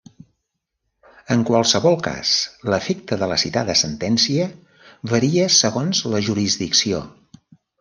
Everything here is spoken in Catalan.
En qualsevol cas, l'efecte de la citada sentència varia segons la jurisdicció.